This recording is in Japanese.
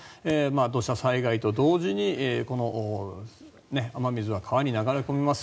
土砂災害と同時に雨水は川に流れ込みます。